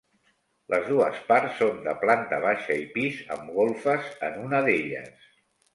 Les dues parts són de planta baixa i pis, amb golfes en una d'elles.